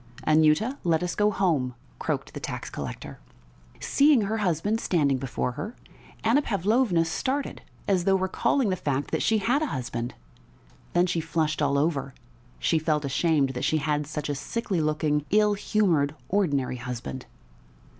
"Anyuta, let us go home," croaked the tax collector. Seeing her husband standing before her, Anna Pavlovna started as though recalling the fact that she had a husband; then she flushed all over: she felt ashamed that she had such a sickly looking, ill humoured, ordinary husband.